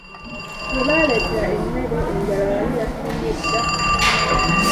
Webaleetera emmere, enjala yali yatulumye dda.